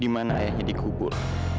di mana ayahnya dikubur